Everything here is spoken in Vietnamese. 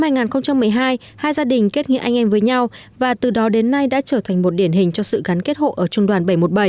năm hai nghìn một mươi hai hai gia đình kết nghĩa anh em với nhau và từ đó đến nay đã trở thành một điển hình cho sự gắn kết hộ ở trung đoàn bảy trăm một mươi bảy